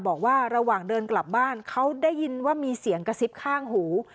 บอกว่าระหว่างเดินกลับบ้านเขาได้ยินว่ามีเสียงกระซิบข้างหู